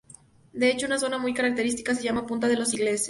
De hecho, una zona muy característica se llama "Punta de los ingleses".